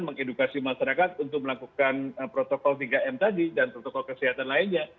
mengedukasi masyarakat untuk melakukan protokol tiga m tadi dan protokol kesehatan lainnya